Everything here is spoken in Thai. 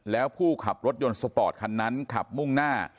แล้วผู้ขับรถยนต์สปอร์ตคันนั้นขับมุ่งหน้า